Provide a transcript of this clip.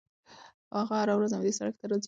هغه هره ورځ همدې سړک ته راځي.